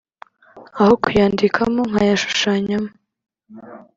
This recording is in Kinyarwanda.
aho kuyandikamo nkayashushanyamo